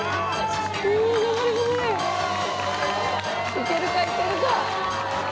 行けるか行けるか？